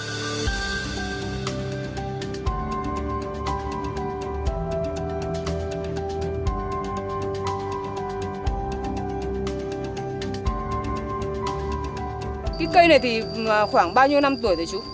cái cây này thì khoảng bao nhiêu năm tuổi rồi chú